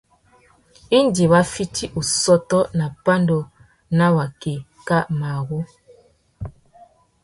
Indi wa fiti ussôtô nà pandú nà waki kā marru.